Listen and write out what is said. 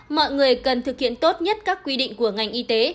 mọi người cần thực hiện tốt nhất các quy định của ngành y tế